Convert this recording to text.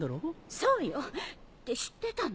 そうよ。って知ってたの？